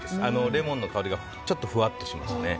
レモンの香りがちょっとふわっとしますね。